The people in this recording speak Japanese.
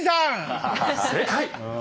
正解！